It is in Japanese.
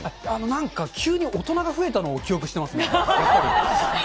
なんか急に大人が増えたのを記憶してますね。